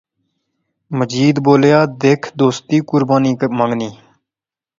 مجید بولیا، دیکھ دوستی قربانی منگنی